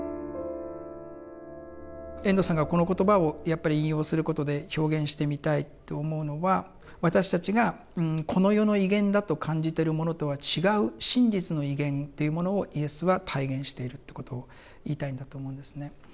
遠藤さんがこの言葉を引用することで表現してみたいと思うのは私たちがこの世の威厳だと感じてるものとは違う真実の威厳っていうものをイエスは体現しているってことを言いたいんだと思うんですね。